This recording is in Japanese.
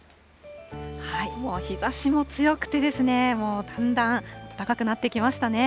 もう日ざしも強くて、もうだんだん暖かくなってきましたね。